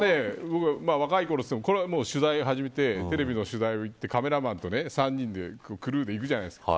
若いころといっても取材を始めてテレビの取材でカメラマンと３人でクルーで行くじゃないですか。